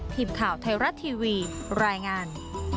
ทีมข่าวไทยรัฐทีวีรายงาน